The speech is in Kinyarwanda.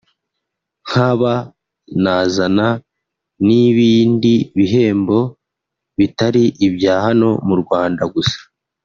nkaba nazana nibindi bihembo bitari ibya hano mu Rwanda gusa